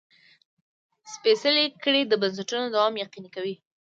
سپېڅلې کړۍ د بنسټونو دوام یقیني کوي.